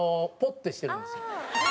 ポッてしてるんですよ。